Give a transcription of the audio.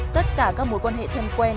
tất cả các mối quan hệ thân quen